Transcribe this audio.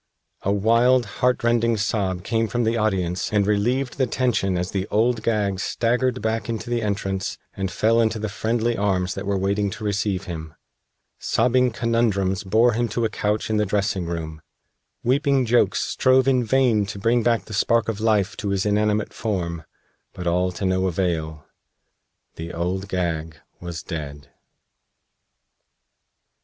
A wild, heartrending sob came from the audience and relieved the tension as the Old Gag staggered back into the entrance and fell into the friendly arms that were waiting to receive him. Sobbing Conundrums bore him to a couch in the dressing room. Weeping Jokes strove in vain to bring back the spark of life to his inanimate form. But all to no avail. The Old Gag was dead.